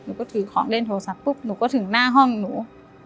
หนูก็ถือของเล่นโทรศัพท์ปุ๊บหนูก็ถึงหน้าห้องหนู